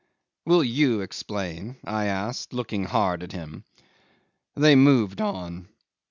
'"Will you explain?" I asked, looking hard at him. They moved on.